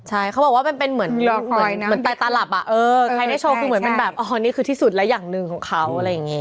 ใช่เขาบอกว่ามันเป็นเหมือนไตตาหลับอ่ะเออใครได้โชว์คือเหมือนมันแบบอ๋อนี่คือที่สุดแล้วอย่างหนึ่งของเขาอะไรอย่างนี้